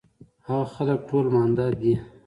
هغه خلک ټول ماندۀ دي